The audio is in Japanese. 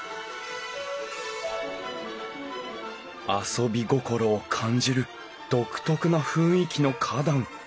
遊び心を感じる独特な雰囲気の花壇。